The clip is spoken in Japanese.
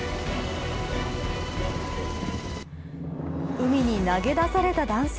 海に投げ出された男性。